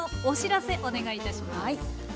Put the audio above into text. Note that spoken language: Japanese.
お知らせお願いいたします。